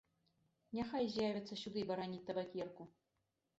Няхай з'явяцца сюды бараніць табакерку.